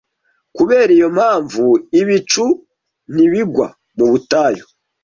Kubera iyo mpamvu, ibicu ntibigwa mu butayu